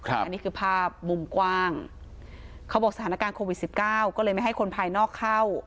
อันนี้คือภาพมุมกว้างเขาบอกสถานการณ์โควิดสิบเก้าก็เลยไม่ให้คนภายนอกเข้า